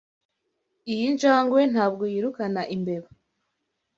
Iyi njangwe ntabwo yirukana imbeba.